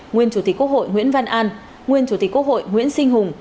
nguyên chủ tịch quốc hội nguyễn văn an nguyên chủ tịch quốc hội nguyễn sinh hùng